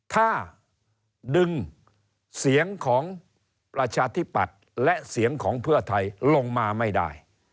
ถ้าดึงเสียงของประชาธิปัตย์และเสียงของเพื่อไทยลงมาไม่ได้